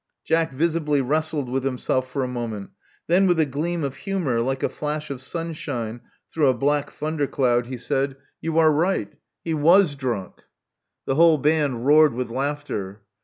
Jack visibly wrestled with himself for a moment. Then, with a gleam of humor like a flash of sunshine through a black thundercloud, he said: You are Love Among the Artists 175 right. He was drunk. " The whole band roared with laughter.